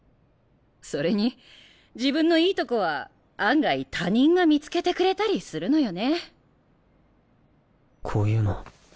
それに自分のいいとこは案外他人が見つけてくれたりするのよね。